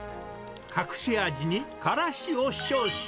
隠し味にカラシを少々。